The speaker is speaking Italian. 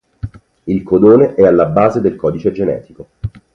Il codone è alla base del codice genetico.